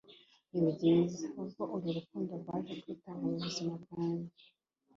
nibyiza! ubwo uru rukundo rwaje kwitanga mubuzima bwanjye